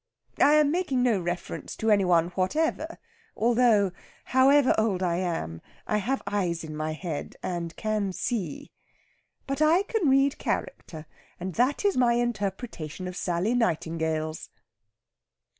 I am making no reference to any one whatever, although, however old I am, I have eyes in my head and can see. But I can read character, and that is my interpretation of Sally Nightingale's."